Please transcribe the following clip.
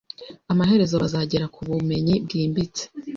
amaherezo bazagera ku bumenyi bwimbitse